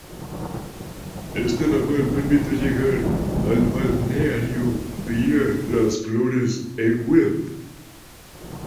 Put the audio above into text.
Este ramal permite llegar al balneario vía Las Flores en Wilde.